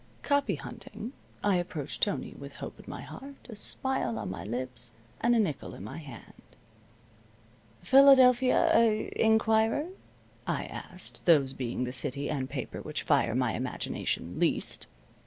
Copy hunting, I approached Tony with hope in my heart, a smile on my lips, and a nickel in my hand. "Philadelphia er Inquirer?" I asked, those being the city and paper which fire my imagination least.